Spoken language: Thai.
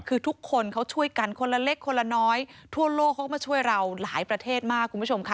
คือทุกคนเขาช่วยกันคนละเล็กคนละน้อยทั่วโลกเขาก็มาช่วยเราหลายประเทศมากคุณผู้ชมค่ะ